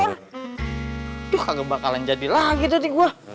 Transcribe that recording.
aduh kagak bakalan jadi lagi dari gue